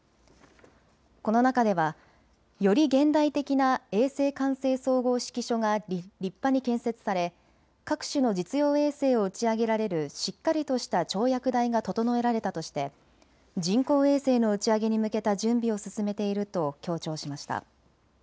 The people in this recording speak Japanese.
この中ではより現代的な衛星管制総合指揮所が立派に建設され各種の実用衛星を打ち上げられるしっかりとした跳躍台が整えられたとして人工衛星の打ち上げに向けた準備を進めていると強調しました。